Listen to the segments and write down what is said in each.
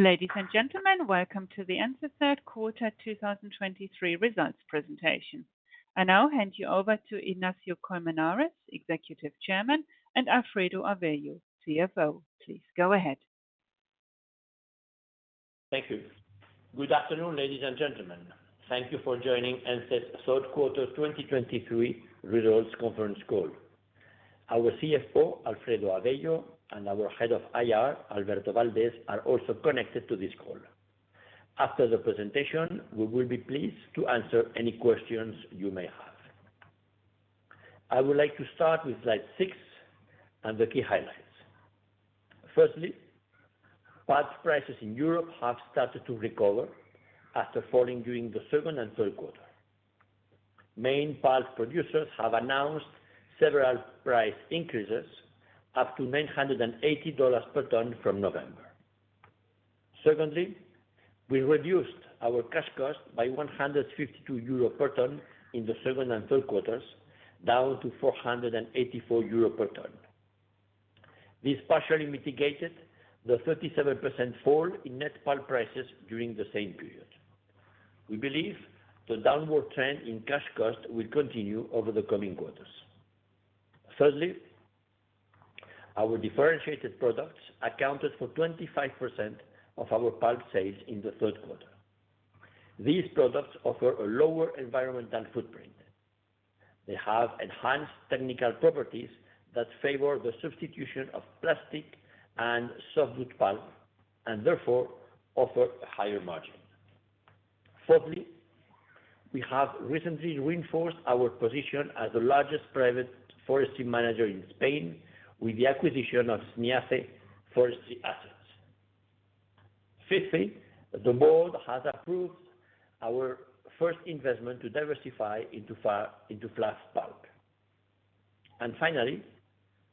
Ladies and gentlemen, welcome to the Ence third quarter 2023 results presentation. I now hand you over to Ignacio de Colmenares, Executive Chairman, and Alfredo Avello, CFO. Please, go ahead. Thank you. Good afternoon, ladies and gentlemen. Thank you for joining Ence's third quarter 2023 results conference call. Our CFO, Alfredo Avello, and our Head of IR, Alberto Valdés, are also connected to this call. After the presentation, we will be pleased to answer any questions you may have. I would like to start with Slide 6 and the key highlights. Firstly, pulp prices in Europe have started to recover after falling during the second and third quarter. Main pulp producers have announced several price increases, up to $980 per ton from November. Secondly, we reduced our cash cost by 152 euro per ton in the second and third quarters, down to 484 euro per ton. This partially mitigated the 37% fall in net pulp prices during the same period. We believe the downward trend in cash cost will continue over the coming quarters. Thirdly, our differentiated products accounted for 25% of our pulp sales in the third quarter. These products offer a lower environmental footprint. They have enhanced technical properties that favor the substitution of plastic and softwood pulp, and therefore offer a higher margin. Fourthly, we have recently reinforced our position as the largest private forestry manager in Spain with the acquisition of Sniace forestry assets. Fifthly, the board has approved our first investment to diversify into fluff pulp. And finally,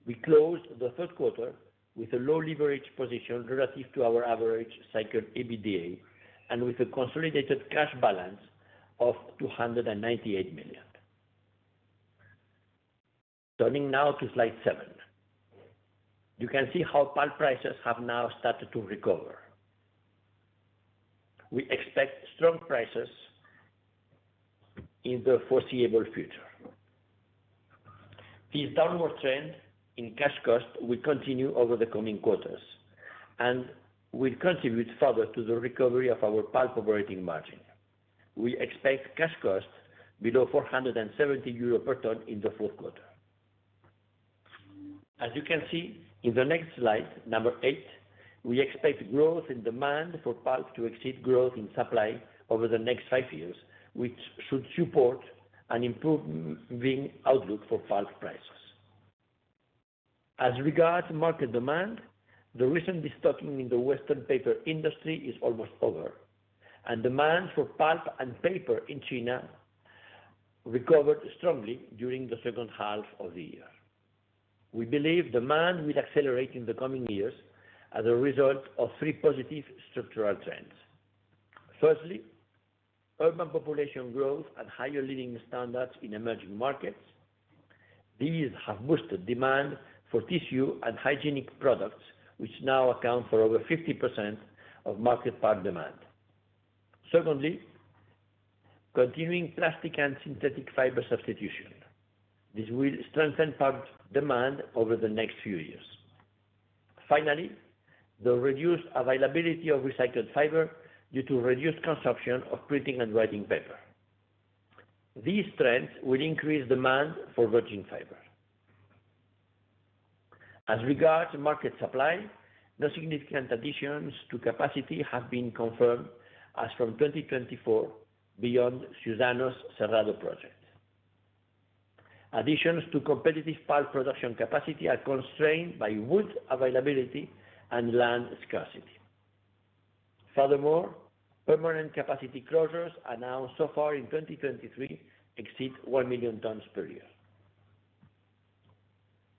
we closed the third quarter with a low leverage position relative to our average cycle, EBITDA, and with a consolidated cash balance of EUR 298 million. Turning now to Slide 7. You can see how pulp prices have now started to recover. We expect strong prices in the foreseeable future. The downward trend in cash cost will continue over the coming quarters and will contribute further to the recovery of our pulp operating margin. We expect cash costs below 470 euro per ton in the fourth quarter. As you can see in the next Slide, number 8, we expect growth in demand for pulp to exceed growth in supply over the next 5 years, which should support an improving outlook for pulp prices. As regards to market demand, the recent destocking in the western paper industry is almost over, and demand for pulp and paper in China recovered strongly during the second half of the year. We believe demand will accelerate in the coming years as a result of 3 positive structural trends. Firstly, urban population growth at higher living standards in emerging markets. These have boosted demand for tissue and hygienic products, which now account for over 50% of market pulp demand. Secondly, continuing plastic and synthetic fiber substitution. This will strengthen pulp demand over the next few years. Finally, the reduced availability of recycled fiber due to reduced consumption of printing and writing paper. These trends will increase demand for virgin fiber. As regards to market supply, no significant additions to capacity have been confirmed as from 2024 beyond Suzano's Cerrado Project. Additions to competitive pulp production capacity are constrained by wood availability and land scarcity. Furthermore, permanent capacity closures announced so far in 2023 exceed 1 million tons per year.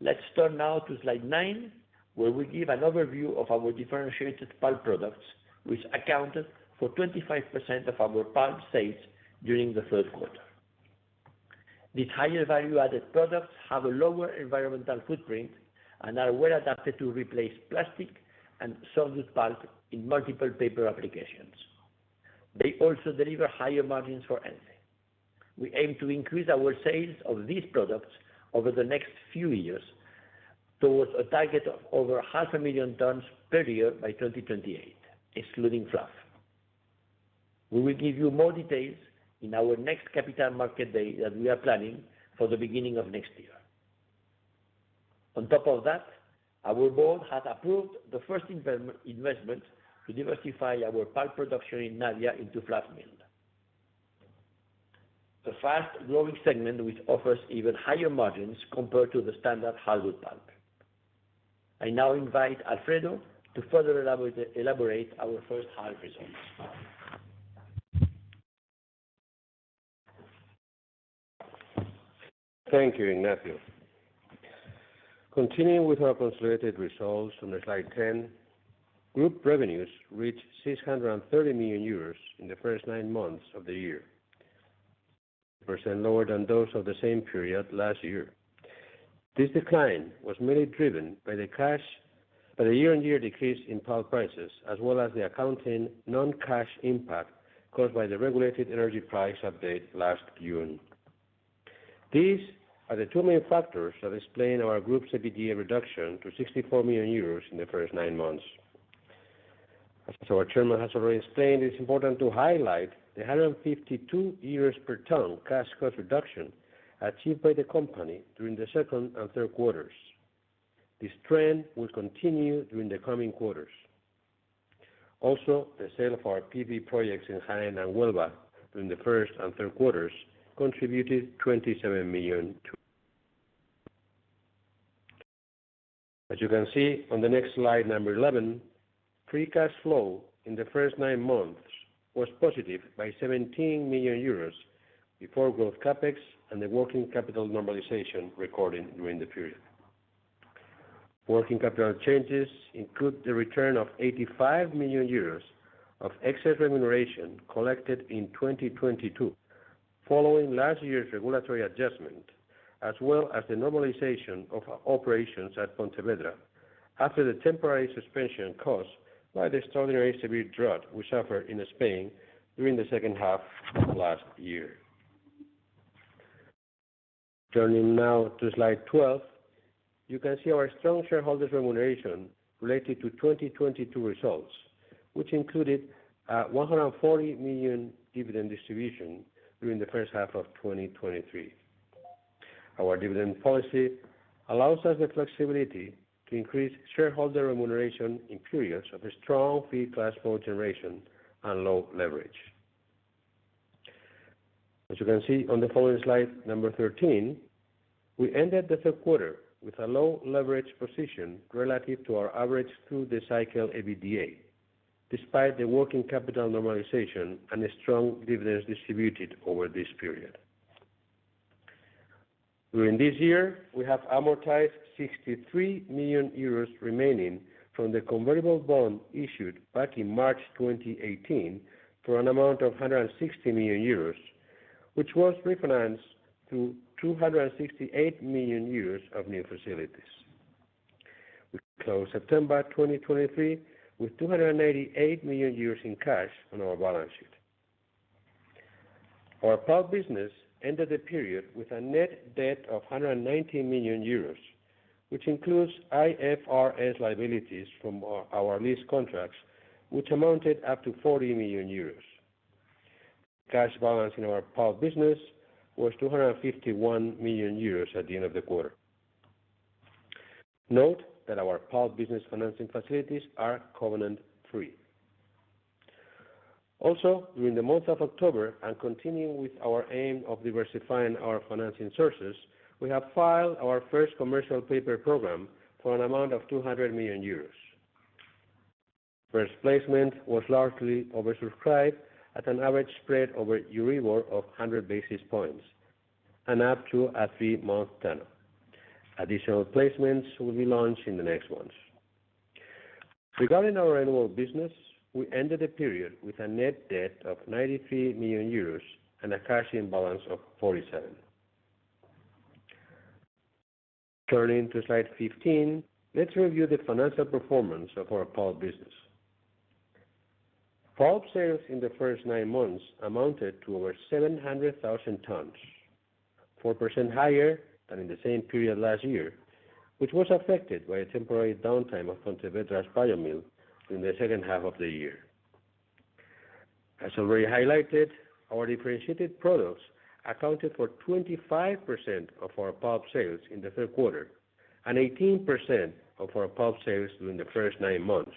Let's turn now to Slide 9, where we give an overview of our differentiated pulp products, which accounted for 25% of our pulp sales during the third quarter. These higher value-added products have a lower environmental footprint and are well adapted to replace plastic and softwood pulp in multiple paper applications. They also deliver higher margins for Ence. We aim to increase our sales of these products over the next few years towards a target of over 500,000 tons per year by 2028, excluding fluff. We will give you more details in our next capital market day that we are planning for the beginning of next year. On top of that, our board has approved the first investment to diversify our pulp production in Navia into fluff mill, the fast-growing segment, which offers even higher margins compared to the standard hardwood pulp. I now invite Alfredo to further elaborate our first half results. Thank you, Ignacio. Continuing with our consolidated results on Slide 10, group revenues reached 630 million euros in the first nine months of the year....percent lower than those of the same period last year. This decline was mainly driven by the cash, by the year-on-year decrease in pulp prices, as well as the accounting non-cash impact caused by the regulated energy price update last June. These are the two main factors that explain our group's EBITDA reduction to 64 million euros in the first nine months. As our chairman has already explained, it's important to highlight the 152 euros per ton cash cost reduction achieved by the company during the second and third quarters. This trend will continue during the coming quarters. Also, the sale of our PV projects in Jaén and Huelva during the first and third quarters contributed 27 million to. As you can see on the next Slide, 11, free cash flow in the first nine months was positive by 17 million euros, before growth CapEx and the working capital normalization recorded during the period. Working capital changes include the return of 85 million euros of excess remuneration collected in 2022, following last year's regulatory adjustment, as well as the normalization of our operations at Pontevedra after the temporary suspension caused by the extraordinary severe drought we suffered in Spain during the second half of last year. Turning now to Slide 12, you can see our strong shareholder remuneration related to 2022 results, which included 140 million dividend distribution during the first half of 2023. Our dividend policy allows us the flexibility to increase shareholder remuneration in periods of a strong free cash flow generation and low leverage. As you can see on the following Slide, number 13, we ended the third quarter with a low leverage position relative to our average through the cycle EBITDA, despite the working capital normalization and a strong dividends distributed over this period. During this year, we have amortized 63 million euros remaining from the convertible bond issued back in March 2018 for an amount of 160 million euros, which was refinanced to 268 million euros of new facilities. We closed September 2023 with 288 million euros in cash on our balance sheet. Our pulp business ended the period with a net debt of 119 million euros, which includes IFRS liabilities from our lease contracts, which amounted up to 40 million euros. Cash balance in our pulp business was 251 million euros at the end of the quarter. Note that our pulp business financing facilities are covenant-free. Also, during the month of October, and continuing with our aim of diversifying our financing sources, we have filed our first commercial paper program for an amount of 200 million euros. First placement was largely oversubscribed at an average spread over Euribor of 100 basis points and up to a three-month tenor. Additional placements will be launched in the next months. Regarding our annual business, we ended the period with a net debt of 93 million euros and a cash balance of 47. Turning to Slide 15, let's review the financial performance of our pulp business. Pulp sales in the first nine months amounted to over 700,000 tons, 4% higher than in the same period last year, which was affected by a temporary downtime of Pontevedra's bio mill during the second half of the year. As already highlighted, our differentiated products accounted for 25% of our pulp sales in the third quarter and 18% of our pulp sales during the first nine months.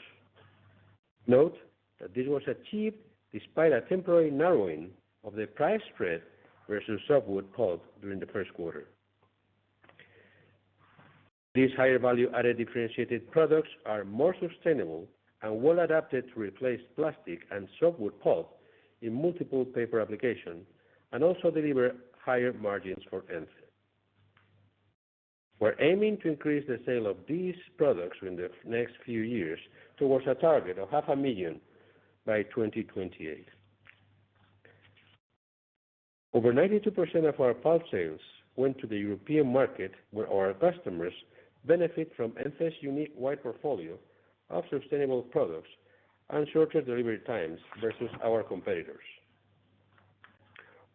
Note that this was achieved despite a temporary narrowing of the price spread versus softwood pulp during the first quarter. These higher value-added differentiated products are more sustainable and well adapted to replace plastic and softwood pulp in multiple paper applications, and also deliver higher margins for Ence. We're aiming to increase the sale of these products in the next few years towards a target of 500,000 by 2028. Over 92% of our pulp sales went to the European market, where our customers benefit from Ence's unique wide portfolio of sustainable products and shorter delivery times versus our competitors.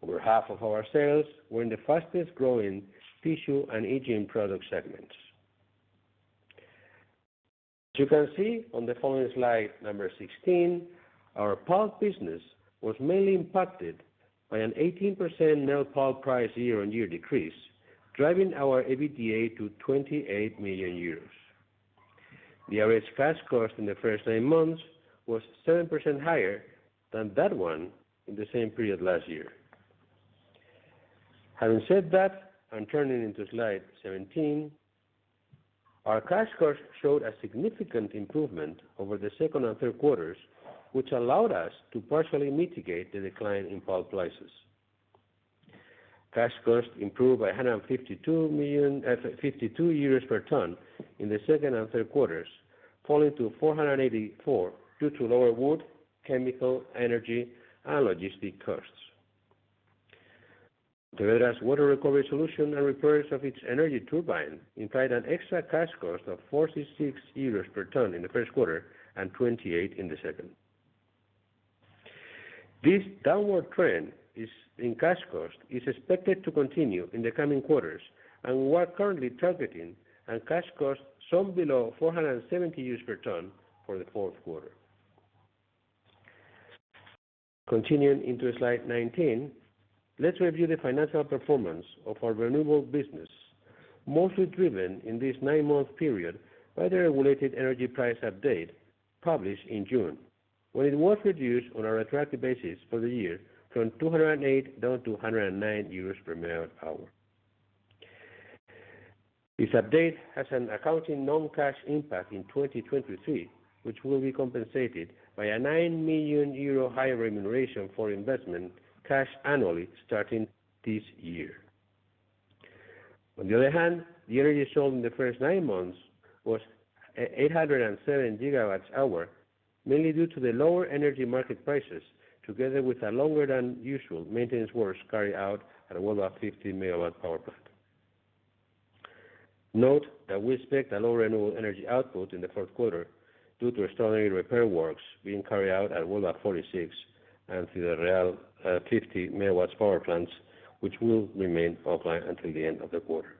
Over half of our sales were in the fastest-growing tissue and aging product segments. As you can see on the following Slide, number 16, our pulp business was mainly impacted by an 18% mill pulp price year-on-year decrease, driving our EBITDA to 28 million euros. The average cash cost in the first nine months was 7% higher than that one in the same period last year. Having said that, I'm turning into Slide 17. Our cash cost showed a significant improvement over the second and third quarters, which allowed us to partially mitigate the decline in pulp prices. Cash cost improved by 152 million, 52 euros per ton in the second and third quarters, falling to 484 due to lower wood, chemical, energy, and logistic costs. The water recovery solution and repairs of its energy turbine implied an extra cash cost of 46 euros per ton in the first quarter and 28 in the second. This downward trend in cash cost is expected to continue in the coming quarters, and we are currently targeting a cash cost some below 470 per ton for the fourth quarter. Continuing into Slide 19, let's review the financial performance of our renewable business, mostly driven in this 9-month period by the regulated energy price update published in June, when it was reduced on a retroactive basis for the year from 208 down to 109 euros per MWh. This update has an accounting non-cash impact in 2023, which will be compensated by a 9 million euro higher remuneration for investment cash annually starting this year. On the other hand, the energy sold in the first 9 months was 808 GWh, mainly due to the lower energy market prices, together with a longer than usual maintenance works carried out at a 150 MW power plant. Note that we expect a low renewable energy output in the fourth quarter due to extraordinary repair works being carried out at Huelva 46, and Ciudad Real, 50 MW power plants, which will remain offline until the end of the quarter.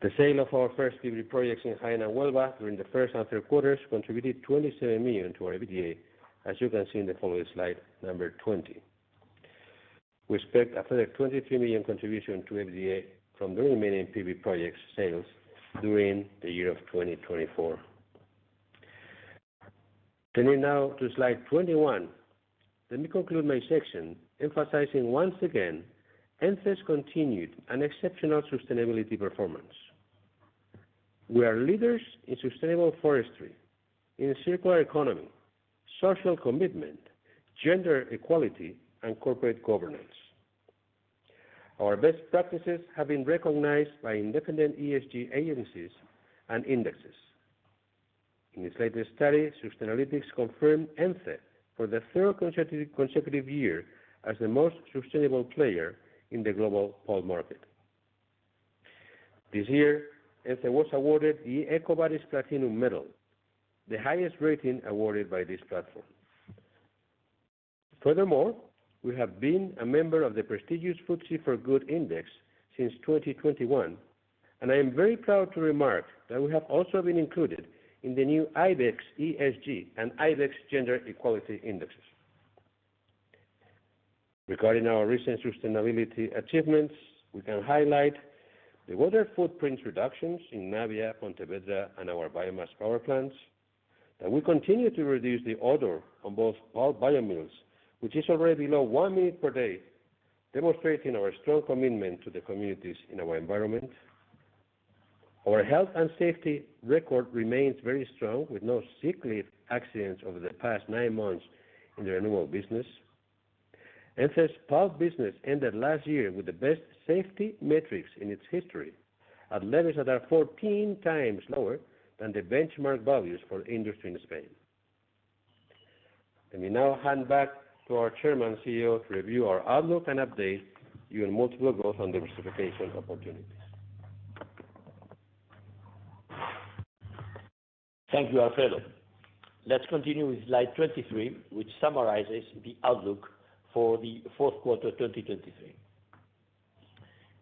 The sale of our first PV projects in Jaén and Huelva during the first and third quarters contributed 27 million to our EBITDA, as you can see in the following Slide, number 20. We expect a further 23 million contribution to EBITDA from the remaining PV projects sales during the year of 2024. Turning now to Slide 21, let me conclude my section, emphasizing once again, ENCE's continued and exceptional sustainability performance. We are leaders in sustainable forestry, in a circular economy, social commitment, gender equality, and corporate governance. Our best practices have been recognized by independent ESG agencies and indexes. In its latest study, Sustainalytics confirmed Ence for the third consecutive year as the most sustainable player in the global pulp market. This year, Ence was awarded the EcoVadis Platinum Medal, the highest rating awarded by this platform. Furthermore, we have been a member of the prestigious FTSE4Good Index since 2021, and I am very proud to remark that we have also been included in the new IBEX ESG and IBEX Gender Equality Indexes. Regarding our recent sustainability achievements, we can highlight the water footprint reductions in Navia, Pontevedra, and our biomass power plants, that we continue to reduce the odor on both our bio mills, which is already below one minute per day, demonstrating our strong commitment to the communities in our environment. Our health and safety record remains very strong, with no sick leave accidents over the past nine months in the renewable business. Ence's pulp business ended last year with the best safety metrics in its history, at levels that are 14 times lower than the benchmark values for industry in Spain. Let me now hand back to our Chairman and CEO to review our outlook and update you on multiple growth and diversification opportunities. Thank you, Alfredo. Let's continue with Slide 23, which summarizes the outlook for the fourth quarter 2023.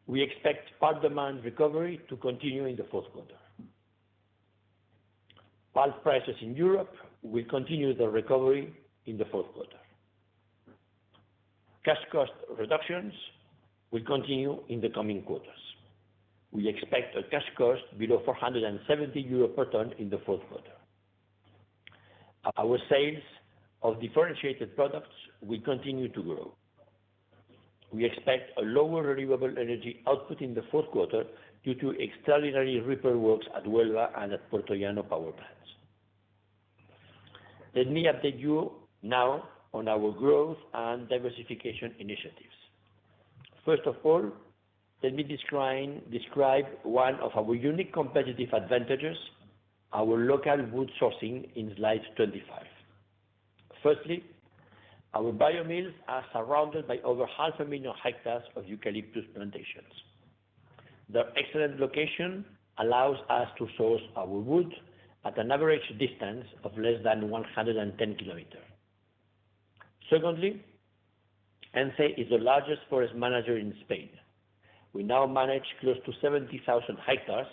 We expect pulp demand recovery to continue in the fourth quarter. Pulp prices in Europe will continue the recovery in the fourth quarter. Cash cost reductions will continue in the coming quarters. We expect a cash cost below 470 euros per ton in the fourth quarter. Our sales of differentiated products will continue to grow. We expect a lower renewable energy output in the fourth quarter due to extraordinary repair works at Huelva and at Puertollano power plants. Let me update you now on our growth and diversification initiatives. First of all, let me describe one of our unique competitive advantages, our local wood sourcing in Slide 25. Firstly, our bio mills are surrounded by over 500,000 hectares of eucalyptus plantations. Their excellent location allows us to source our wood at an average distance of less than 110 km. Secondly, ENCE is the largest forest manager in Spain. We now manage close to 70,000 hectares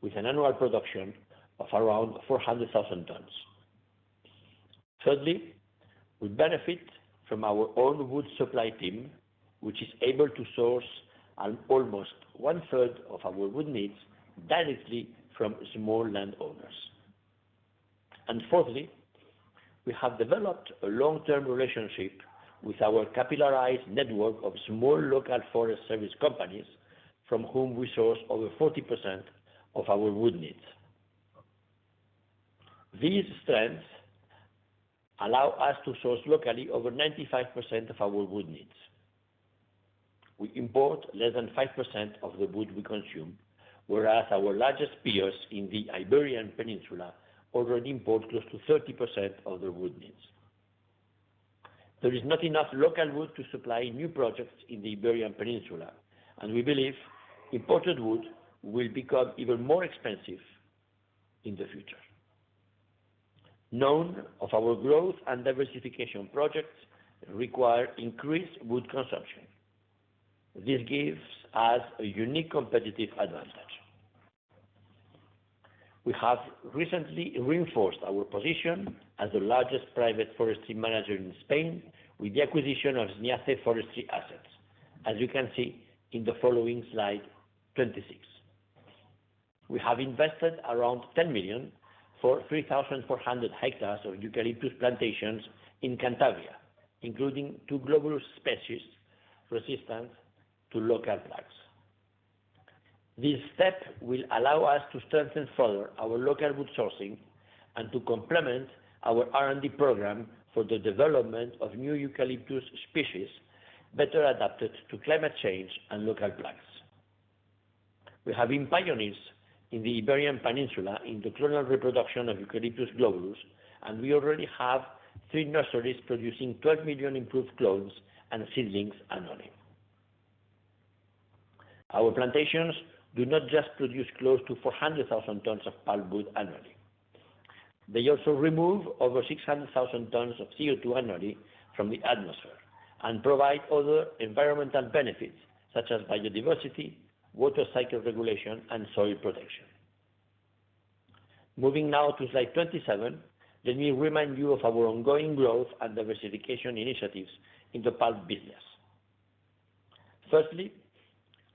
with an annual production of around 400,000 tons. Thirdly, we benefit from our own wood supply team, which is able to source almost one-third of our wood needs directly from small landowners. And fourthly, we have developed a long-term relationship with our capitalized network of small local forest service companies, from whom we source over 40% of our wood needs. These strengths allow us to source locally over 95% of our wood needs. We import less than 5% of the wood we consume, whereas our largest peers in the Iberian Peninsula already import close to 30% of their wood needs. There is not enough local wood to supply new projects in the Iberian Peninsula, and we believe imported wood will become even more expensive in the future. None of our growth and diversification projects require increased wood consumption. This gives us a unique competitive advantage. We have recently reinforced our position as the largest private forestry manager in Spain with the acquisition of Sniace Forestry Assets, as you can see in the following Slide 26. We have invested around 10 million for 3,400 hectares of eucalyptus plantations in Cantabria, including two global species resistant to local plagues. This step will allow us to strengthen further our local wood sourcing and to complement our R&D program for the development of new eucalyptus species, better adapted to climate change and local plagues. We have been pioneers in the Iberian Peninsula in the clonal reproduction of Eucalyptus globulus, and we already have 3 nurseries producing 12 million improved clones and seedlings annually. Our plantations do not just produce close to 400,000 tons of pulpwood annually. They also remove over 600,000 tons of CO2 annually from the atmosphere and provide other environmental benefits, such as biodiversity, water cycle regulation, and soil protection. Moving now to Slide 27, let me remind you of our ongoing growth and diversification initiatives in the pulp business. Firstly,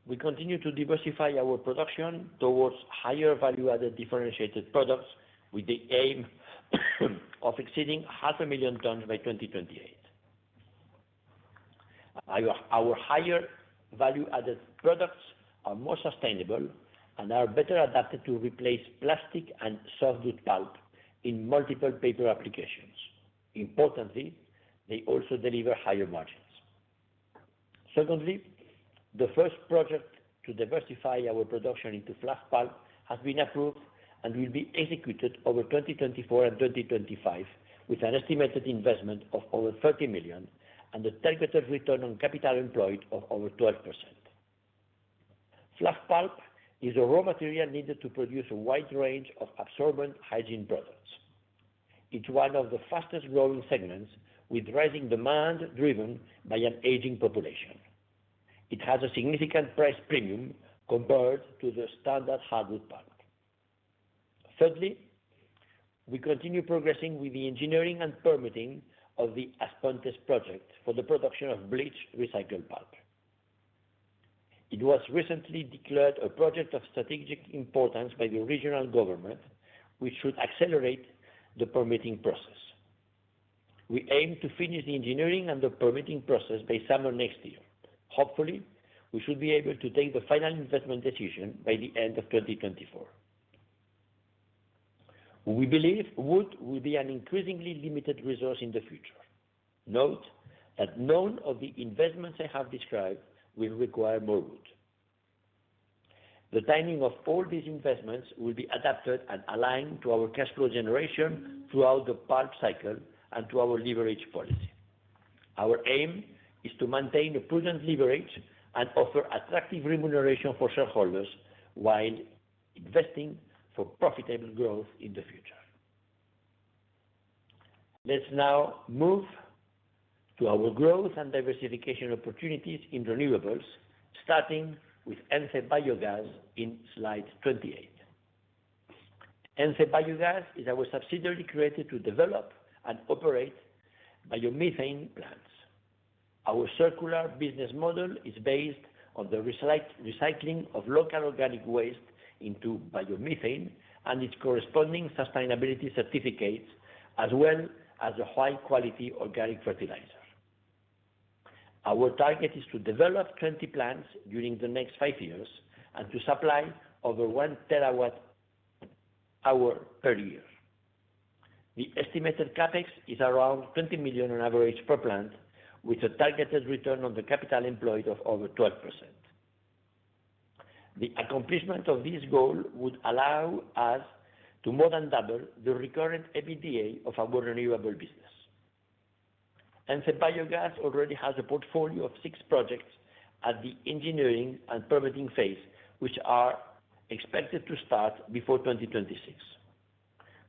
we continue to diversify our production towards higher value-added, differentiated products with the aim of exceeding 500,000 tons by 2028. Our higher value-added products are more sustainable and are better adapted to replace plastic and softwood pulp in multiple paper applications. Importantly, they also deliver higher margins. Secondly, the first project to diversify our production into fluff pulp has been approved and will be executed over 2024 and 2025, with an estimated investment of over 30 million and a targeted return on capital employed of over 12%. Fluff pulp is a raw material needed to produce a wide range of absorbent hygiene products. It's one of the fastest growing segments, with rising demand driven by an aging population. It has a significant price premium compared to the standard hardwood pulp. Thirdly, we continue progressing with the engineering and permitting of the As Pontes project for the production of bleached recycled pulp. It was recently declared a project of strategic importance by the regional government, which should accelerate the permitting process. We aim to finish the engineering and the permitting process by summer next year. Hopefully, we should be able to take the final investment decision by the end of 2024. We believe wood will be an increasingly limited resource in the future. Note that none of the investments I have described will require more wood. The timing of all these investments will be adapted and aligned to our cash flow generation throughout the pulp cycle and to our leverage policy. Our aim is to maintain a prudent leverage and offer attractive remuneration for shareholders while investing for profitable growth in the future. Let's now move to our growth and diversification opportunities in renewables, starting with ENCE Biogas in Slide 28. ENCE Biogas is our subsidiary created to develop and operate biomethane plants. Our circular business model is based on the recycling of local organic waste into biomethane and its corresponding sustainability certificates, as well as a high-quality organic fertilizer. Our target is to develop 20 plants during the next five years and to supply over 1 TWh per year. The estimated CapEx is around 20 million on average per plant, with a targeted return on the capital employed of over 12%. The accomplishment of this goal would allow us to more than double the recurrent EBITDA of our renewable business. ENCE Biogas already has a portfolio of 6 projects at the engineering and permitting phase, which are expected to start before 2026.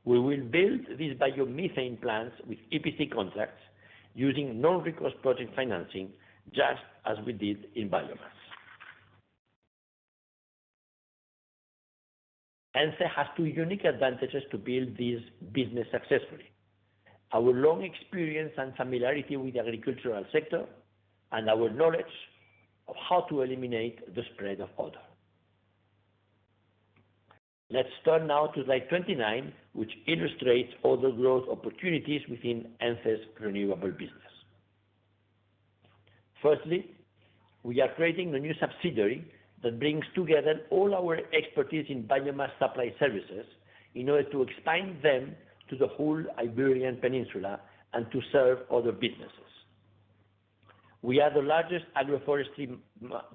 We will build these biomethane plants with EPC contracts using non-recourse project financing, just as we did in biomass. ENCE has two unique advantages to build this business successfully: our long experience and familiarity with the agricultural sector, and our knowledge of how to eliminate the spread of odor. Let's turn now to Slide 29, which illustrates other growth opportunities within ENCE's renewable business. Firstly, we are creating a new subsidiary that brings together all our expertise in biomass supply services in order to expand them to the whole Iberian Peninsula and to serve other businesses. We are the largest agroforestry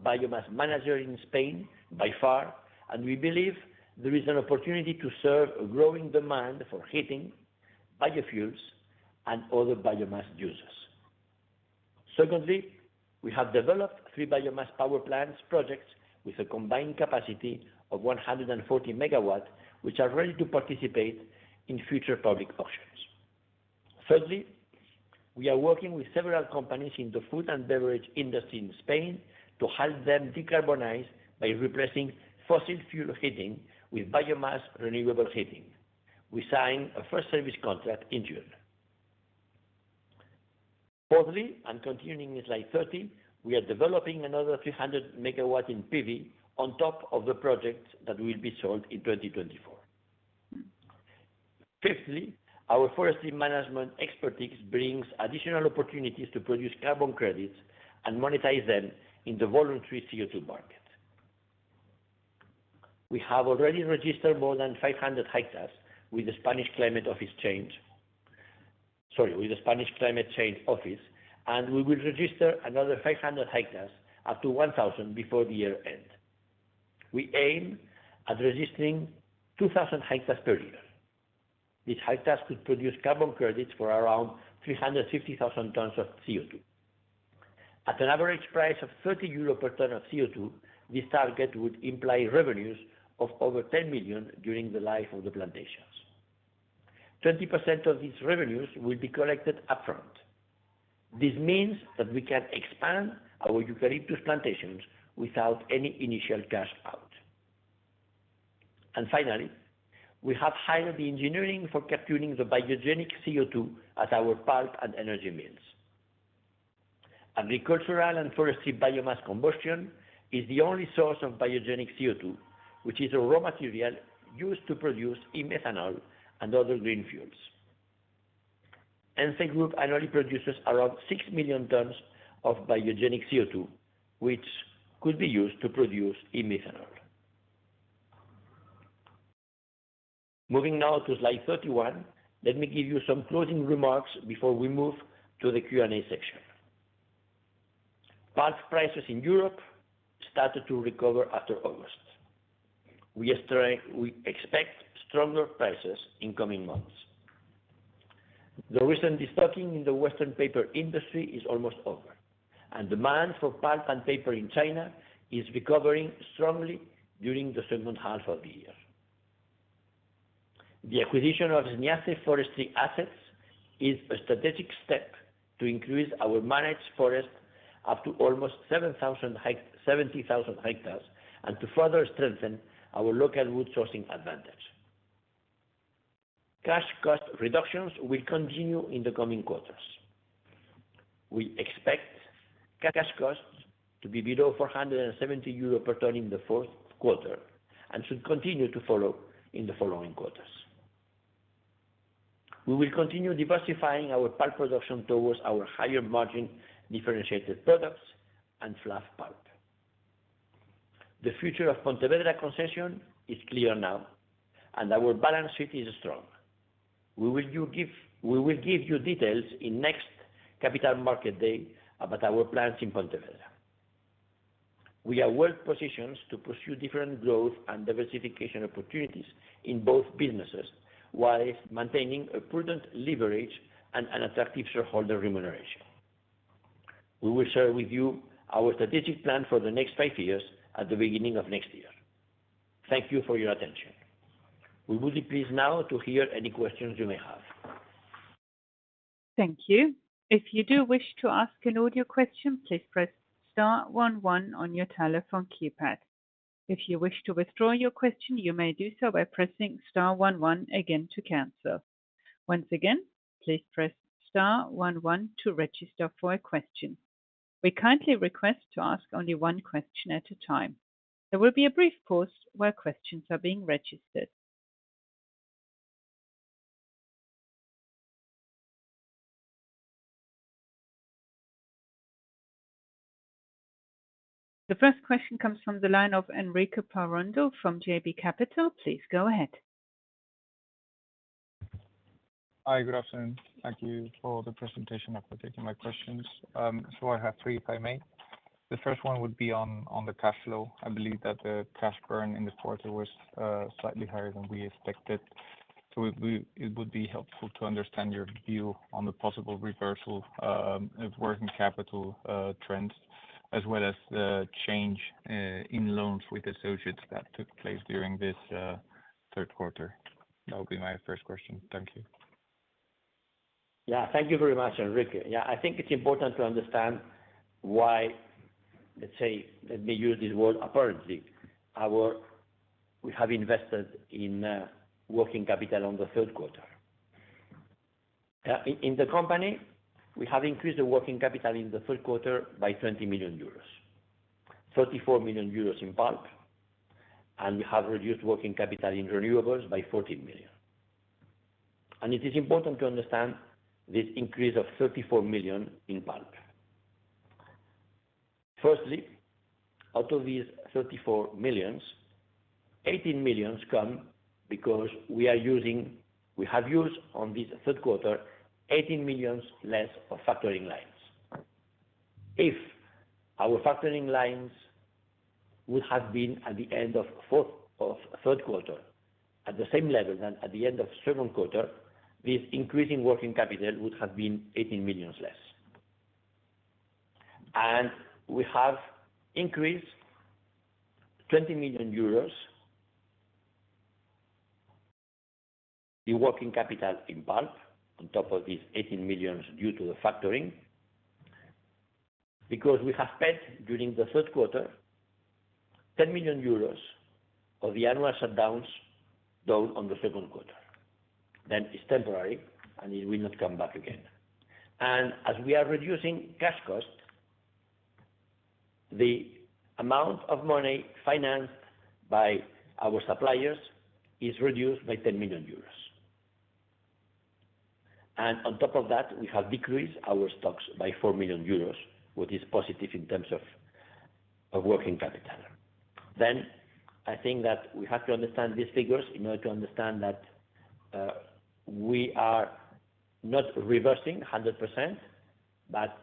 biomass manager in Spain by far, and we believe there is an opportunity to serve a growing demand for heating, biofuels, and other biomass uses. Secondly, we have developed three biomass power plants projects with a combined capacity of 140 MW, which are ready to participate in future public auctions. Thirdly, we are working with several companies in the food and beverage industry in Spain to help them decarbonize by replacing fossil fuel heating with biomass renewable heating. We signed a first service contract in June. Fourthly, and continuing in Slide 30, we are developing another 300 MW in PV on top of the projects that will be sold in 2024. Fifthly, our forestry management expertise brings additional opportunities to produce carbon credits and monetize them in the voluntary CO2 market. We have already registered more than 500 hectares with the Spanish Climate Change Office, and we will register another 500 hectares, up to 1,000, before the year end. We aim at registering 2,000 hectares per year. These hectares could produce carbon credits for around 350,000 tons of CO2. At an average price of 30 euro per ton of CO2, this target would imply revenues of over 10 million during the life of the plantations. 20% of these revenues will be collected upfront. This means that we can expand our eucalyptus plantations without any initial cash out. Finally, we have hired the engineering for capturing the biogenic CO2 at our pulp and energy mills. Agricultural and forestry biomass combustion is the only source of biogenic CO2, which is a raw material used to produce e-methanol and other green fuels. Ence Group annually produces around 6 million tons of biogenic CO2, which could be used to produce e-methanol. Moving now to Slide 31, let me give you some closing remarks before we move to the Q&A section. Pulp prices in Europe started to recover after August. We expect stronger prices in coming months. The recent destocking in the Western paper industry is almost over, and demand for pulp and paper in China is recovering strongly during the second half of the year. The acquisition of Sniace Forestry Assets is a strategic step to increase our managed forest up to almost 7,000 hectares, 70,000 hectares, and to further strengthen our local wood sourcing advantage. Cash cost reductions will continue in the coming quarters. We expect cash costs to be below 470 euros per ton in the fourth quarter and should continue to follow in the following quarters. We will continue diversifying our pulp production towards our higher margin, differentiated products, and fluff pulp. The future of Pontevedra concession is clear now, and our balance sheet is strong. We will give you details in next capital market day about our plans in Pontevedra. We are well positioned to pursue different growth and diversification opportunities in both businesses, while maintaining a prudent leverage and an attractive shareholder remuneration. We will share with you our strategic plan for the next five years at the beginning of next year. Thank you for your attention. We would be pleased now to hear any questions you may have. Thank you. If you do wish to ask an audio question, please press star one, one on your telephone keypad. If you wish to withdraw your question, you may do so by pressing star one, one again to cancel. Once again, please press star one, one to register for a question. We kindly request to ask only one question at a time. There will be a brief pause while questions are being registered. The first question comes from the line of Enrique Parrondo from JB Capital. Please go ahead. Hi, good afternoon. Thank you for the presentation, and for taking my questions. So I have three, if I may. The first one would be on the cash flow. I believe that the cash burn in the quarter was slightly higher than we expected. So it would be helpful to understand your view on the possible reversal of working capital trends, as well as the change in loans with associates that took place during this third quarter. That would be my first question. Thank you. Yeah, thank you very much, Enrique. Yeah, I think it's important to understand why, let's say, let me use this word, apparently, our, we have invested in working capital on the third quarter. In the company, we have increased the working capital in the third quarter by 20 million euros, 34 million euros in pulp, and we have reduced working capital in renewables by 14 million. And it is important to understand this increase of 34 million in pulp. Firstly, out of these 34 million, 18 million come because we are using, we have used on this third quarter, 18 million less of factoring lines. If our factoring lines would have been at the end of third quarter, at the same level than at the end of second quarter, this increase in working capital would have been 18 million less. We have increased 20 million euros, the working capital in bulk, on top of these 18 million due to the factoring, because we have paid during the third quarter, 10 million euros of the annual shutdowns down on the second quarter. That is temporary, and it will not come back again. As we are reducing cash costs, the amount of money financed by our suppliers is reduced by 10 million euros. On top of that, we have decreased our stocks by 4 million euros, which is positive in terms of working capital. I think that we have to understand these figures in order to understand that we are not reversing 100%, but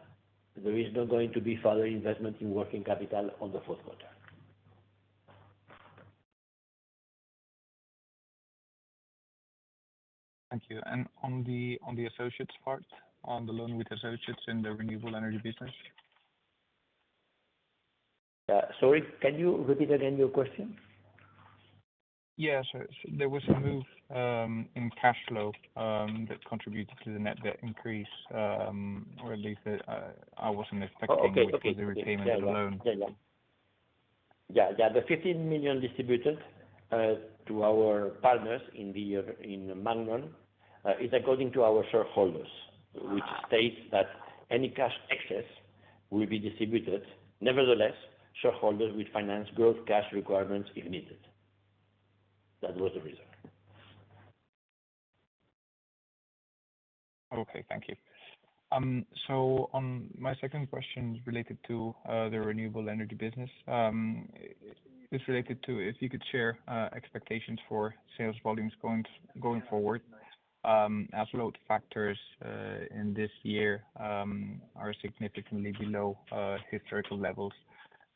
there is not going to be further investment in working capital on the fourth quarter. Thank you. And on the, on the associates part, on the loan with associates in the renewable energy business? Yeah. Sorry, can you repeat again your question? Yes, sir. There was a move in cash flow that contributed to the net debt increase, or at least that I wasn't expecting- Oh, okay. the repayment of the loan. Yeah, yeah. Yeah, yeah, the 15 million distributed to our partners in the in Magnon is according to our shareholders, which states that any cash excess will be distributed. Nevertheless, shareholders will finance growth cash requirements if needed. That was the reason. Okay, thank you. So on my second question is related to the renewable energy business. It's related to if you could share expectations for sales volumes going forward. Absolute factors in this year are significantly below historical levels.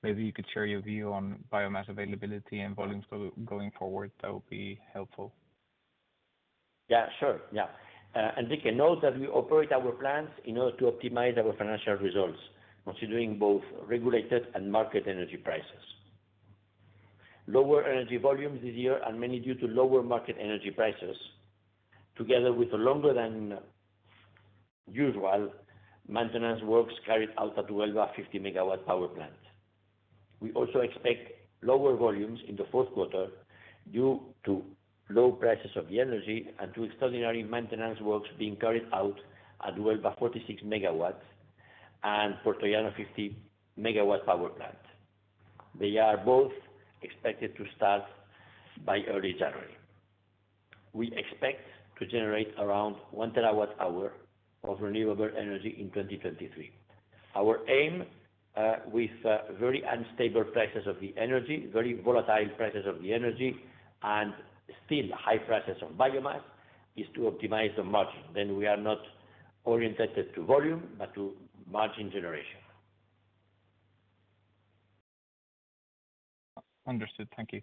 Maybe you could share your view on biomass availability and volumes going forward. That would be helpful. Yeah, sure. Yeah. Enrique, note that we operate our plants in order to optimize our financial results, considering both regulated and market energy prices. Lower energy volumes this year are mainly due to lower market energy prices, together with a longer than usual maintenance works carried out at Huelva 50 MW power plant. We also expect lower volumes in the fourth quarter due to low prices of the energy and to extraordinary maintenance works being carried out at Huelva 46 MW and Puertollano 50 MW power plant. They are both expected to start by early January. We expect to generate around 1 TWh of renewable energy in 2023. Our aim, with very unstable prices of the energy, very volatile prices of the energy, and still high prices of biomass, is to optimize the margin. Then we are not orientated to volume, but to margin generation. Understood. Thank you.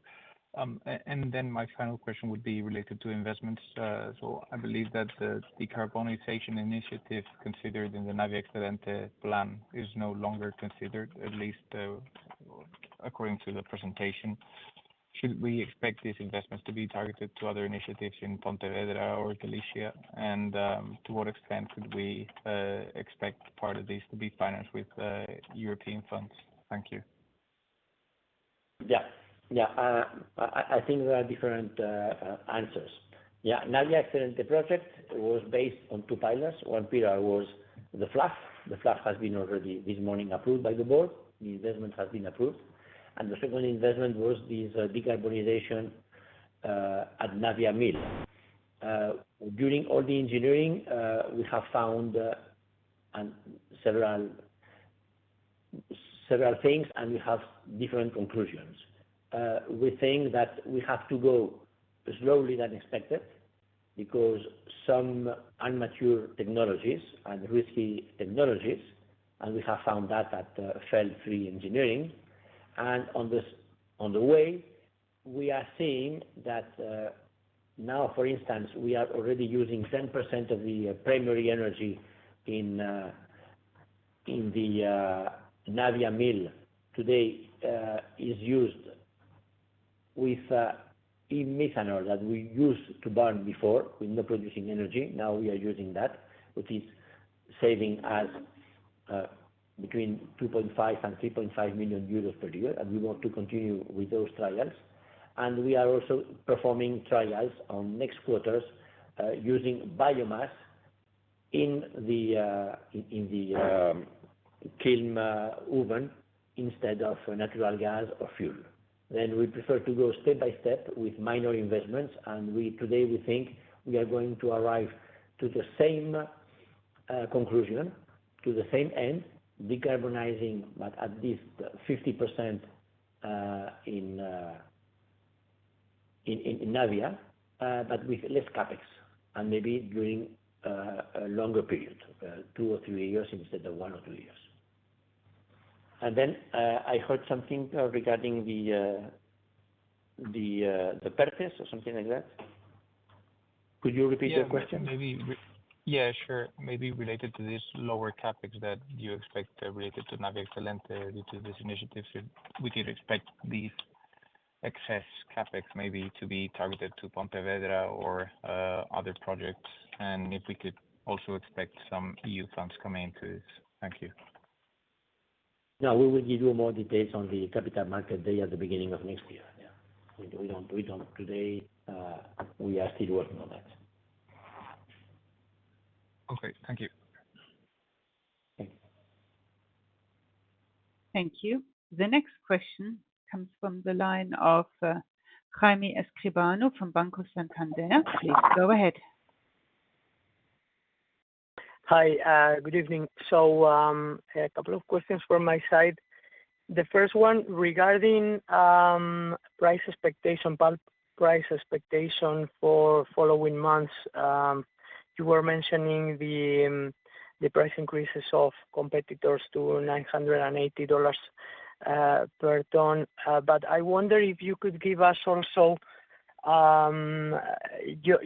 And then my final question would be related to investments. So I believe that the decarbonization initiative considered in the Navia Excelente plan is no longer considered, at least, according to the presentation. Should we expect these investments to be targeted to other initiatives in Pontevedra or Galicia? And to what extent could we expect part of this to be financed with European funds? Thank you. Yeah, yeah. I think there are different answers. Yeah, Navia Excelente project was based on two pillars. One pillar was the fluff. The fluff has been already, this morning, approved by the board, the investment has been approved. And the second investment was this decarbonization at Navia mill. During all the engineering, we have found several things, and we have different conclusions. We think that we have to go slowly than expected because some immature technologies and risky technologies, and we have found that at the FEL-3 engineering. And on the way, we are seeing that now, for instance, we are already using 10% of the primary energy in the Navia mill. Today is used with fuel oil that we used to burn before without producing energy. Now, we are using that, which is saving us between 2.5 million and 3.5 million euros per year, and we want to continue with those trials. We are also performing trials on next quarters using biomass in the kiln oven instead of natural gas or fuel. Then we prefer to go step by step with minor investments, and today, we think we are going to arrive to the same conclusion, to the same end: decarbonizing, but at least 50%, in Navia, but with less CapEx, and maybe during a longer period, two or three years instead of one or two years. Then I heard something regarding the purpose or something like that. Could you repeat your question? Yeah, maybe. Yeah, sure. Maybe related to this lower CapEx that you expect related to Navia Excelente, due to this initiative, should we could expect these excess CapEx maybe to be targeted to Pontevedra or other projects? And if we could also expect some EU funds coming into this. Thank you. No, we will give you more details on the capital market day at the beginning of next year. Yeah, we don't, we don't today, we are still working on that. Okay, thank you. Thank you. Thank you. The next question comes from the line of Jaime Escribano from Banco Santander. Please, go ahead. Hi, good evening. So, a couple of questions from my side. The first one regarding price expectation, pulp price expectation for following months. You were mentioning the price increases of competitors to $980 per ton. But I wonder if you could give us also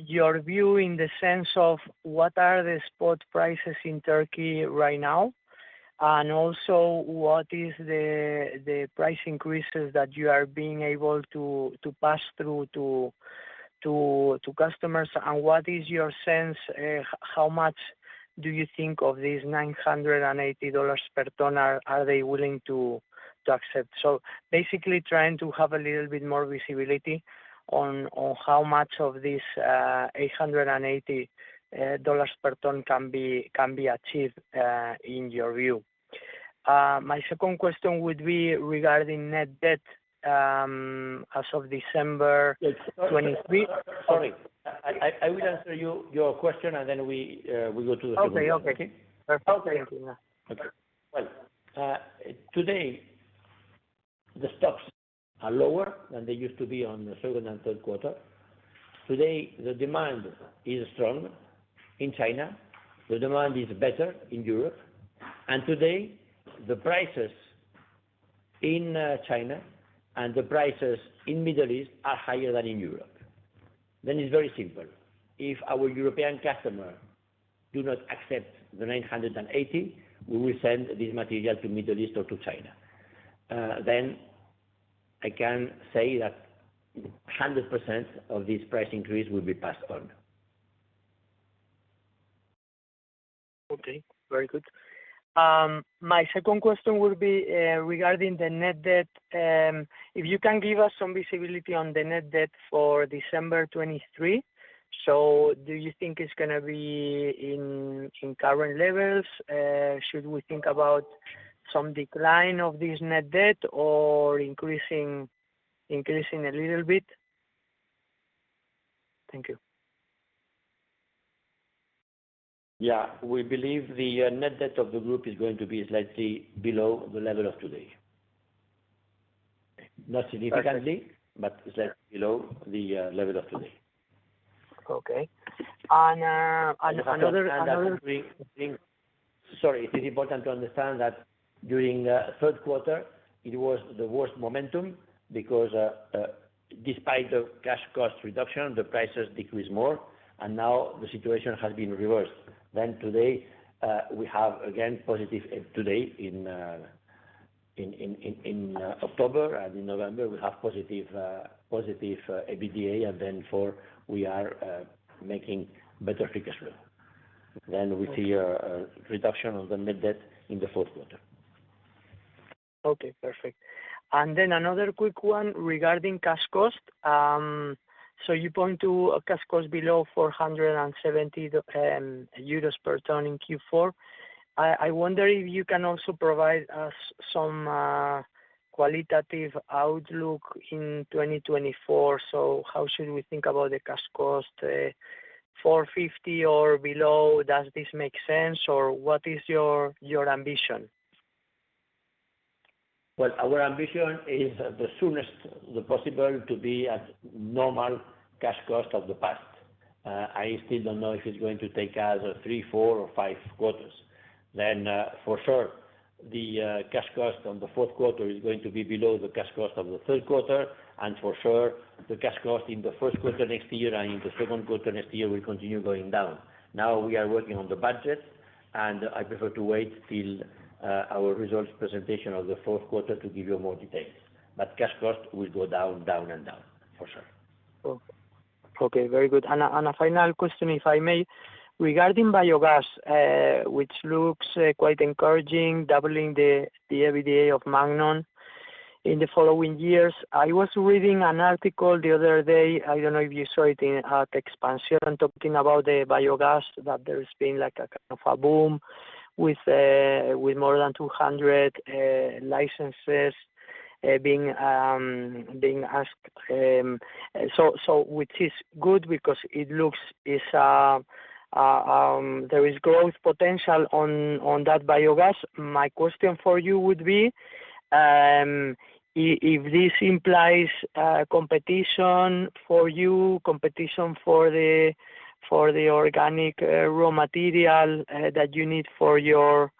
your view in the sense of what are the spot prices in Turkey right now, and also what is the price increases that you are being able to pass through to customers, and what is your sense, how much do you think of these $980 per ton are they willing to accept? Basically, trying to have a little bit more visibility on, on how much of this $880 per ton can be, can be achieved, in your view. My second question would be regarding net debt, as of December 2023. Sorry, I will answer your question, and then we go to the- Okay. Okay. Okay. Okay. Well, today, the stocks are lower than they used to be on the second and third quarter. Today, the demand is strong in China, the demand is better in Europe, and today the prices in China and the prices in Middle East are higher than in Europe. Then it's very simple. If our European customer do not accept the $980, we will send this material to Middle East or to China. Then, I can say that 100% of this price increase will be passed on. Okay, very good. My second question would be regarding the net debt. If you can give us some visibility on the net debt for December 2023. So do you think it's gonna be in current levels? Should we think about some decline of this net debt or increasing, increasing a little bit? Thank you. Yeah. We believe the net debt of the group is going to be slightly below the level of today. Not significantly, but slightly below the level of today. Okay. And, another- Sorry. It is important to understand that during the third quarter, it was the worst momentum because, despite the cash cost reduction, the prices decreased more, and now the situation has been reversed. Then today, we have, again, positive. Today, in October and in November, we have positive, positive, EBITDA, and then for... We are making better figures flow. Then we see a, a reduction of the net debt in the fourth quarter. Okay, perfect. Then another quick one regarding cash cost. So you point to a cash cost below 470 euros per ton in Q4. I wonder if you can also provide us some qualitative outlook in 2024. So how should we think about the cash cost, 450 or below? Does this make sense, or what is your ambition? Well, our ambition is the soonest possible to be at normal cash cost of the past. I still don't know if it's going to take us three, four, or five quarters. Then, for sure, the cash cost on the fourth quarter is going to be below the cash cost of the third quarter, and for sure, the cash cost in the first quarter next year and in the second quarter next year will continue going down. Now, we are working on the budget, and I prefer to wait till our results presentation of the fourth quarter to give you more details. But cash cost will go down, down, and down, for sure. Okay, very good. And a final question, if I may. Regarding biogas, which looks quite encouraging, doubling the EBITDA of Magnon in the following years. I was reading an article the other day, I don't know if you saw it in Expansión and talking about the biogas, that there's been like a kind of a boom with more than 200 licenses being asked. So, which is good because it looks, it's there is growth potential on that biogas. My question for you would be, if this implies competition for you, competition for the organic raw material that you need for your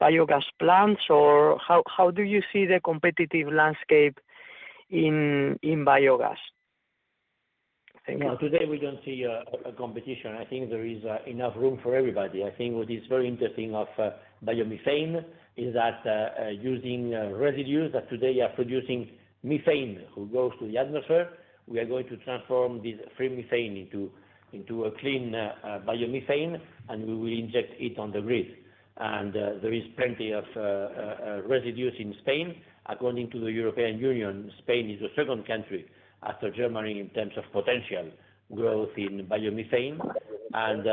biogas plants, or how do you see the competitive landscape in biogas? Thank you. No, today we don't see a competition. I think there is enough room for everybody. I think what is very interesting of biomethane is that using residues that today are producing methane, who goes to the atmosphere, we are going to transform this free methane into into a clean biomethane, and we will inject it on the grid. And there is plenty of residues in Spain. According to the European Union, Spain is the second country after Germany in terms of potential growth in biomethane. And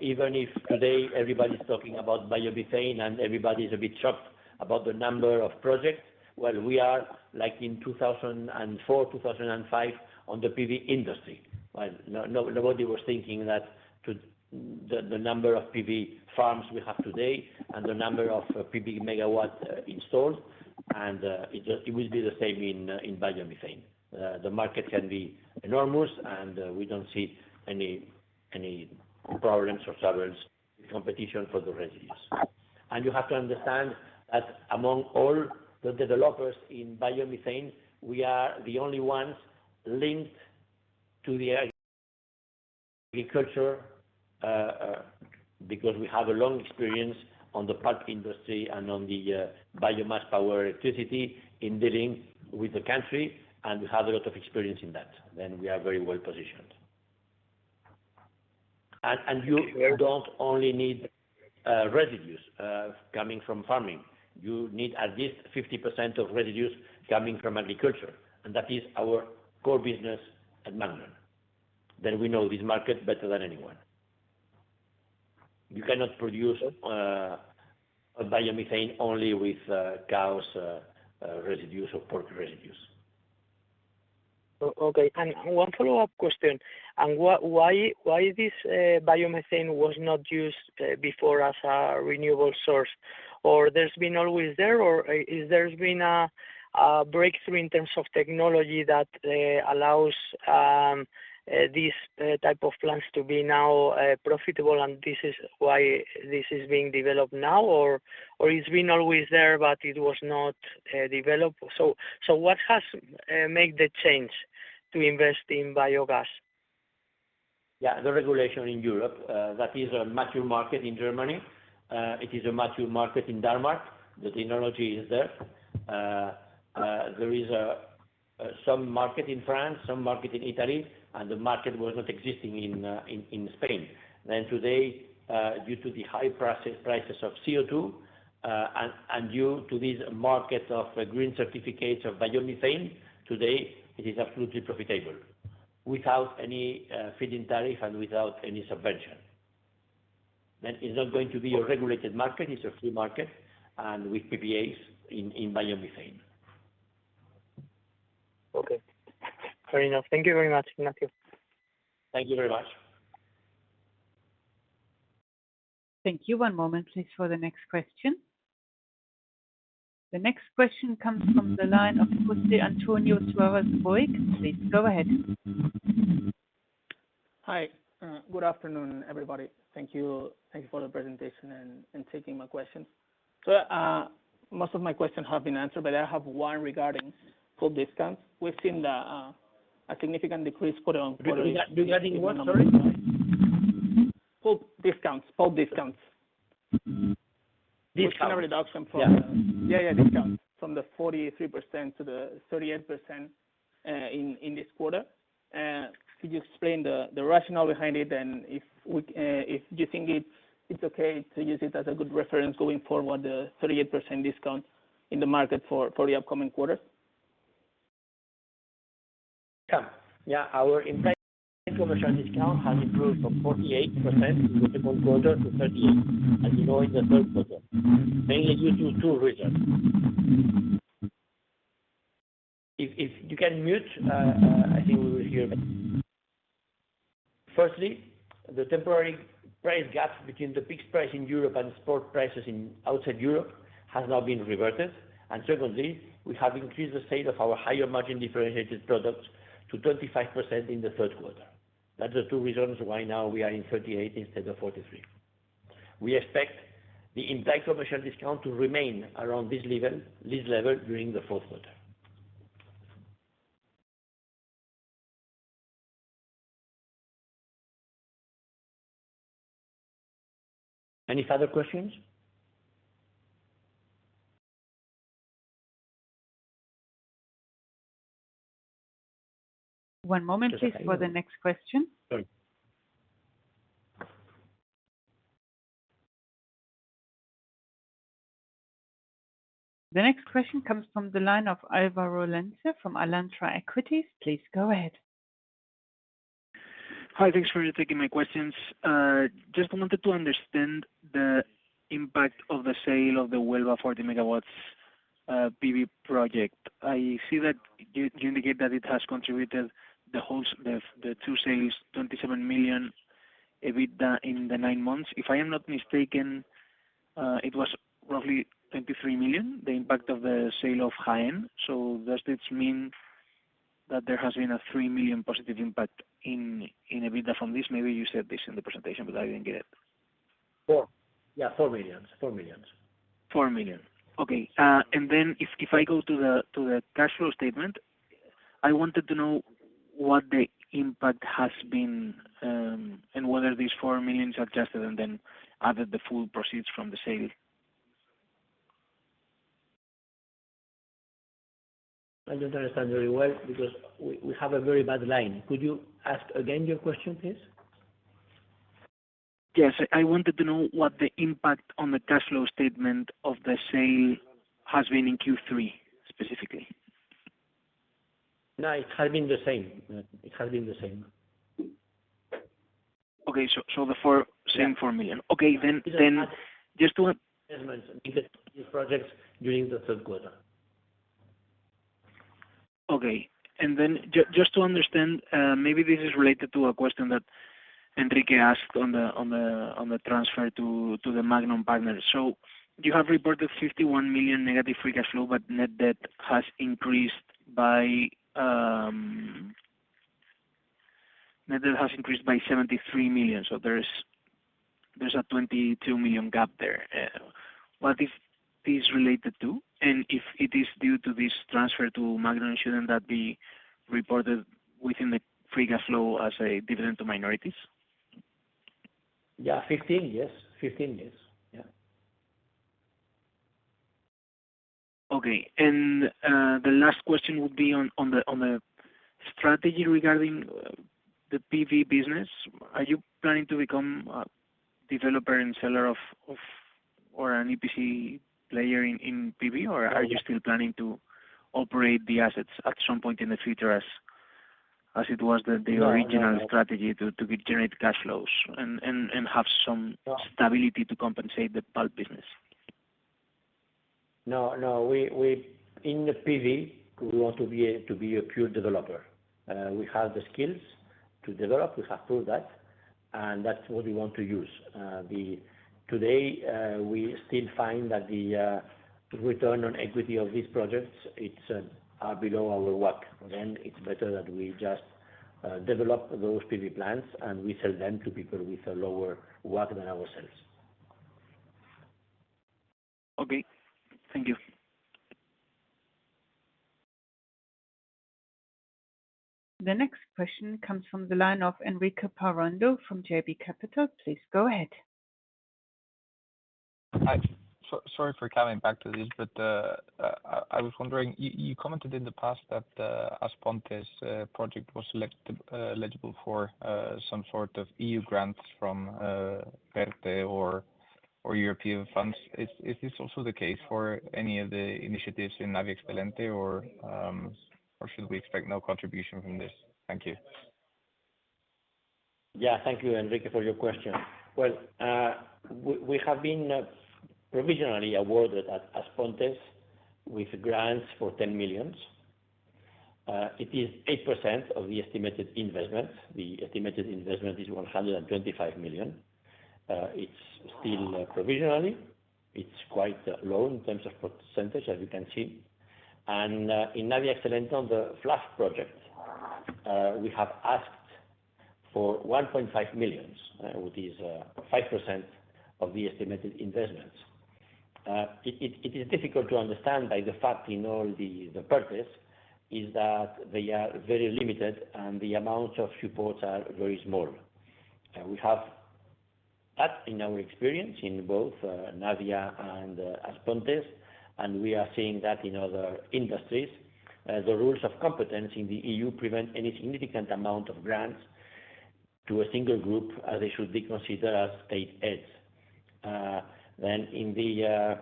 even if today everybody's talking about biomethane, and everybody's a bit shocked about the number of projects, well, we are like in 2004, 2005 on the PV industry, right? No, no, nobody was thinking that the number of PV farms we have today and the number of PV megawatts installed, and it just, it will be the same in biomethane. The market can be enormous, and we don't see any problems or serious competition for the residues. You have to understand that among all the developers in biomethane, we are the only ones linked to the agriculture because we have a long experience on the pulp industry and on the biomass power electricity in dealing with the countryside, and we have a lot of experience in that, then we are very well positioned. You don't only need residues coming from farming. You need at least 50% of residues coming from agriculture, and that is our core business at Magnon. Then we know this market better than anyone. You cannot produce a biomethane only with cows residues or pork residues. Okay, and one follow-up question. And what—why, why this biomethane was not used before as a renewable source? Or there's been always there, or, is there's been a breakthrough in terms of technology that allows these type of plants to be now profitable, and this is why this is being developed now? Or, or it's been always there, but it was not developed. So, so what has made the change to invest in biogas? Yeah, the regulation in Europe, that is a mature market in Germany. It is a mature market in Denmark. The technology is there. There is some market in France, some market in Italy, and the market was not existing in Spain. Then today, due to the high prices, prices of CO2, and due to this market of green certificates of biomethane, today, it is absolutely profitable without any feed-in tariff and without any subvention. Then it's not going to be a regulated market, it's a free market and with PPAs in biomethane. Okay, fair enough. Thank you very much, Ignacio. Thank you very much. Thank you. One moment, please, for the next question. The next question comes from the line of José Antonio Suárez CaixaBank. Please, go ahead. Hi, good afternoon, everybody. Thank you. Thank you for the presentation and taking my questions. So, most of my questions have been answered, but I have one regarding fluff discounts. We've seen a significant decrease quarter-on-quarter- Regarding what, sorry? Pulp discounts. Pulp discounts. Discount. We have a reduction from the... Yeah. Yeah, yeah, discounts from the 43% to the 38% in this quarter. Could you explain the rationale behind it? And if you think it's okay to use it as a good reference going forward, the 38% discount in the market for the upcoming quarters? Yeah. Yeah, our implied commercial discount has improved from 48% in the second quarter to 38% and below in the third quarter, mainly due to two reasons. If, if you can mute, I think we will hear better. Firstly, the temporary price gap between the peak price in Europe and spot prices in outside Europe has now been reverted. And secondly, we have increased the sale of our higher margin differentiated products to 25% in the third quarter. That's the two reasons why now we are in 38% instead of 43%. We expect the implied commercial discount to remain around this level, this level during the fourth quarter. Any further questions? One moment, please, for the next question. Sorry. The next question comes from the line of Alvaro Lenze from Alantra Equities. Please go ahead. Hi, thanks for taking my questions. Just wanted to understand the impact of the sale of the Huelva 40 MW PV project. I see that you indicate that it has contributed the two sales 27 million EBITDA in the nine months. If I am not mistaken, it was roughly 23 million, the impact of the sale of Huelva. Does this mean that there has been a 3 million positive impact in EBITDA from this? Maybe you said this in the presentation, but I didn't get it. Yeah, 4 million, 4 million. 4 million. Okay, and then if I go to the cash flow statement, I wanted to know what the impact has been, and whether these 4 million are adjusted and then added the full proceeds from the sale? I don't understand very well because we have a very bad line. Could you ask again your question, please? Yes. I wanted to know what the impact on the cash flow statement of the sale has been in Q3, specifically. No, it has been the same. It has been the same. Okay, so the four- Yeah. Same 4 million. Okay, then, then just to- Yes, mentioned these projects during the third quarter. Okay. And then just to understand, maybe this is related to a question that Enrique asked on the transfer to the Magnon partners. So you have reported negative 51 million free cash flow, but net debt has increased by 73 million. So there's a 22 million gap there. What is this related to? And if it is due to this transfer to Magnon, shouldn't that be reported within the free cash flow as a dividend to minorities? Yeah. 15, yes. 15, yes. Yeah. Okay. The last question would be on the strategy regarding the PV business. Are you planning to become a developer and seller of, or an EPC player in PV? Or are you still planning to operate the assets at some point in the future as it was the- No, no... original strategy to generate cash flows and have some- No. - Stability to compensate the pulp business? No, no, we in the PV, we want to be a pure developer. We have the skills to develop, we have proved that, and that's what we want to use. Today, we still find that the return on equity of these projects, it's are below our WACC. Then it's better that we just develop those PV plants, and we sell them to people with a lower WACC than ourselves. Okay, thank you. The next question comes from the line of Enrique Parrondo from JB Capital. Please go ahead. Hi, sorry for coming back to this, but, I was wondering, you commented in the past that, As Pontes project was selected, eligible for, some sort of EU grants from, PERTE or European funds. Is this also the case for any of the initiatives in Navia Excelente or should we expect no contribution from this? Thank you. Yeah, thank you, Enrique, for your question. Well, we have been provisionally awarded at As Pontes with grants for 10 million. It is 8% of the estimated investment. The estimated investment is 125 million. It's still provisionally. It's quite low in terms of percentage, as you can see. And, in Navia Excelente on the fluff project, we have asked for 1.5 million, which is, 5% of the estimated investments. It is difficult to understand by the fact in all the, the purpose is that they are very limited, and the amount of supports are very small. We have that in our experience in both, Navia and As Pontes, and we are seeing that in other industries. The rules of competence in the EU prevent any significant amount of grants to a single group, as they should be considered as state aids. Then, in the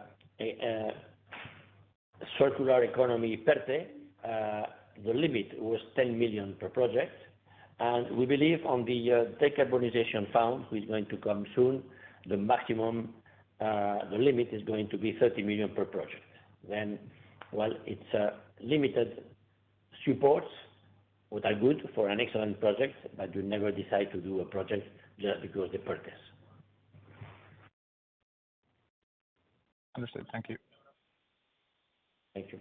circular economy, PERTE, the limit was 10 million per project, and we believe on the decarbonization fund, which is going to come soon, the maximum, the limit is going to be 30 million per project. Then, well, it's limited supports, which are good for an excellent project, but you never decide to do a project just because the purpose. Understood. Thank you. Thank you.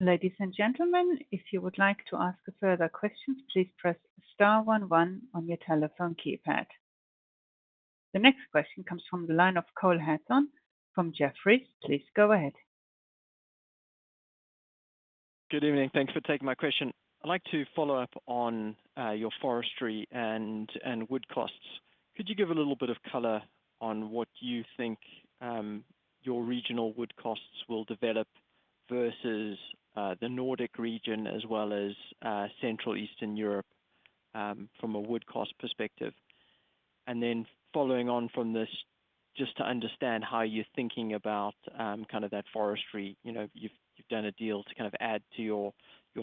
Ladies and gentlemen, if you would like to ask a further question, please press star one one on your telephone keypad. The next question comes from the line of Cole Hanson from Jefferies. Please go ahead. Good evening. Thanks for taking my question. I'd like to follow up on your forestry and wood costs. Could you give a little bit of color on what you think your regional wood costs will develop versus the Nordic region, as well as Central Eastern Europe from a wood cost perspective? And then following on from this, just to understand how you're thinking about kind of that forestry. You know, you've done a deal to kind of add to your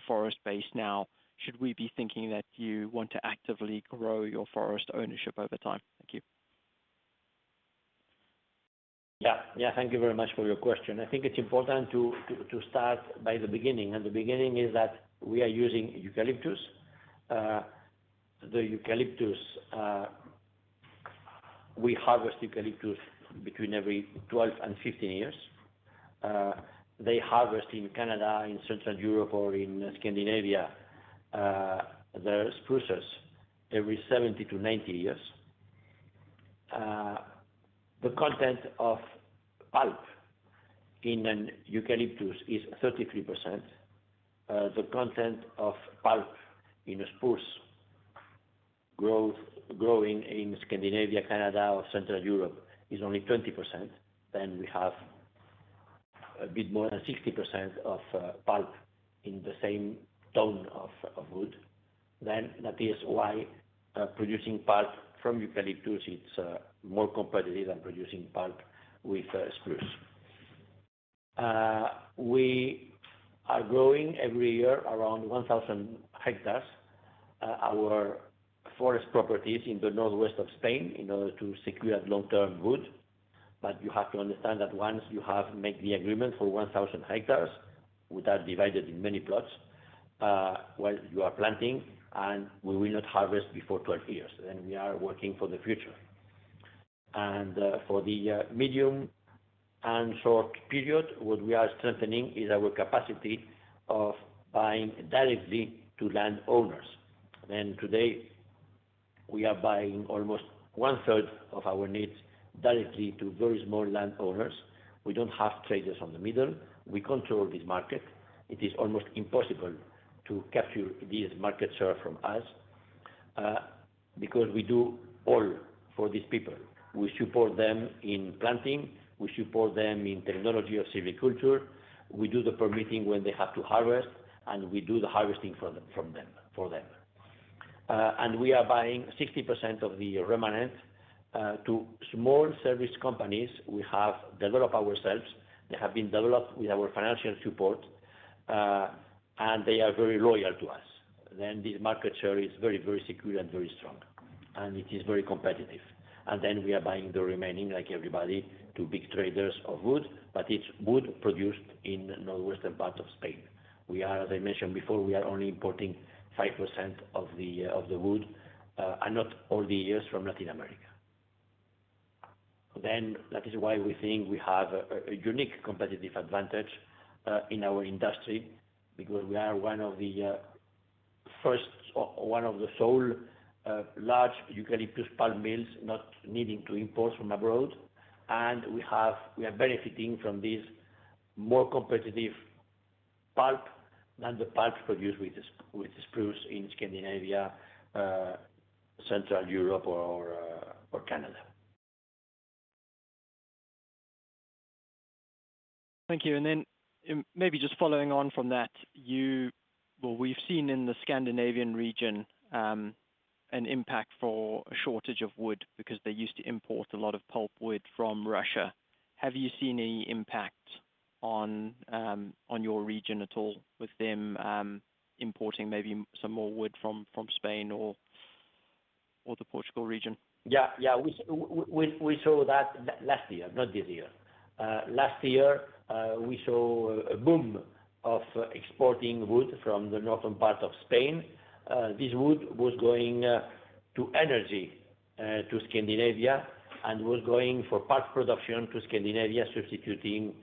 forest base now. Should we be thinking that you want to actively grow your forest ownership over time? Thank you. Yeah. Yeah, thank you very much for your question. I think it's important to start by the beginning, and the beginning is that we are using eucalyptus. The eucalyptus, we harvest eucalyptus between every 12 and 15 years. They harvest in Canada, in Central Europe or in Scandinavia, the spruces every 70-90 years. The content of pulp in an eucalyptus is 33%. The content of pulp in a spruce growth, growing in Scandinavia, Canada, or Central Europe, is only 20%. Then we have a bit more than 60% of pulp in the same ton of wood. Then that is why producing pulp from eucalyptus it's more competitive than producing pulp with spruce. We are growing every year around 1,000 hectares our forest properties in the northwest of Spain, in order to secure long-term wood. But you have to understand that once you have made the agreement for 1,000 hectares, which are divided in many plots, well, you are planting, and we will not harvest before 12 years, then we are working for the future. And, for the medium and short period, what we are strengthening is our capacity of buying directly to landowners. Then today, we are buying almost one third of our needs directly to very small landowners. We don't have traders on the middle. We control this market. It is almost impossible to capture this market share from us, because we do all for these people. We support them in planting, we support them in technology of silviculture, we do the permitting when they have to harvest, and we do the harvesting from them, for them. And we are buying 60% of the remainder to small service companies we have developed ourselves. They have been developed with our financial support, and they are very loyal to us. Then this market share is very, very secure and very strong, and it is very competitive. And then we are buying the remaining, like everybody, to big traders of wood, but it's wood produced in northwestern part of Spain. We are, as I mentioned before, we are only importing 5% of the, of the wood, and not all the years from Latin America. Then that is why we think we have a unique competitive advantage in our industry, because we are one of the first or one of the sole large eucalyptus pulp mills, not needing to import from abroad. And we are benefiting from this more competitive pulp than the pulp produced with the spruce in Scandinavia, Central Europe, or Canada. Thank you. And then, maybe just following on from that, well, we've seen in the Scandinavian region an impact for a shortage of wood because they used to import a lot of pulpwood from Russia. Have you seen any impact on your region at all with them importing maybe some more wood from Spain or the Portugal region? Yeah, yeah. We saw that last year, not this year. Last year, we saw a boom of exporting wood from the northern part of Spain. This wood was going to energy to Scandinavia and was going for pulp production to Scandinavia, substituting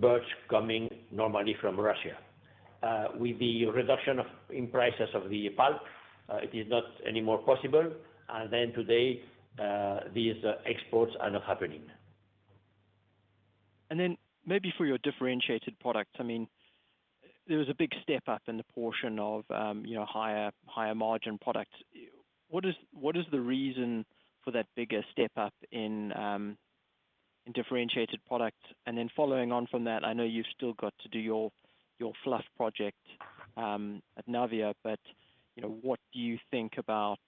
birch coming normally from Russia. With the reduction in prices of the pulp, it is not any more possible. And then today, these exports are not happening. And then maybe for your differentiated products, I mean, there was a big step up in the portion of, you know, higher margin products. What is the reason for that bigger step up in differentiated products? And then following on from that, I know you've still got to do your fluff project at Navia, but, you know, what do you think about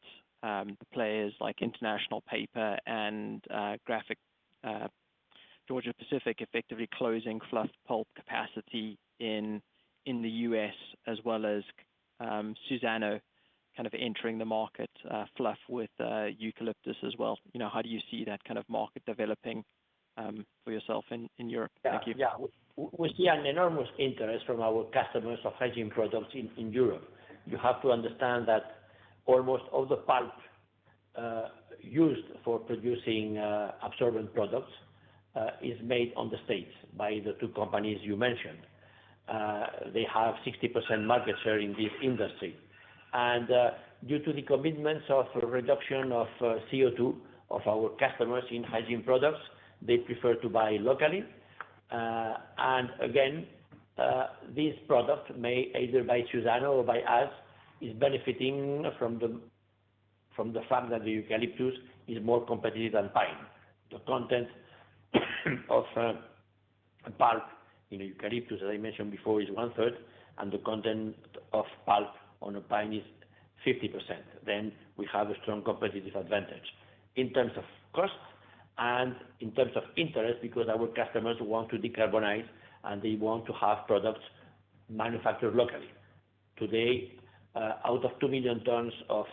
the players like International Paper and Georgia-Pacific effectively closing fluff pulp capacity in the U.S. as well as Suzano kind of entering the market, fluff with eucalyptus as well? You know, how do you see that kind of market developing for yourself in Europe? Thank you. Yeah, yeah. We, we see an enormous interest from our customers of hygiene products in, in Europe. You have to understand that almost all the pulp used for producing absorbent products is made in the States by the two companies you mentioned. They have 60% market share in this industry. And due to the commitments of reduction of CO2 of our customers in hygiene products, they prefer to buy locally. And again, this product made either by Suzano or by us is benefiting from the fact that the eucalyptus is more competitive than pine. The content of pulp in eucalyptus, as I mentioned before, is one third, and the content of pulp on a pine is 50%. Then we have a strong competitive advantage in terms of cost and in terms of interest, because our customers want to decarbonize, and they want to have products manufactured locally. Today, out of 2 million tons of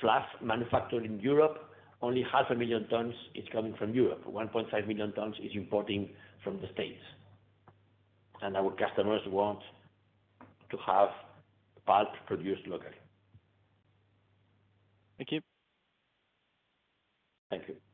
fluff manufactured in Europe, only 0.5 million tons is coming from Europe. 1.5 million tons is importing from the States, and our customers want to have pulp produced locally. Thank you. Thank you.